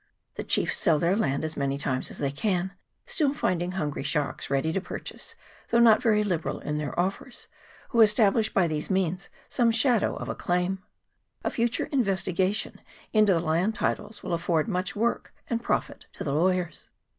The chiefs sell their land as many times as they can, still finding hungry sharks ready to purchase, though not very liberal in their offers, who establish by these means some shadow of a claim. A future investigation into the land titles will afford much work and profit to the lawyers.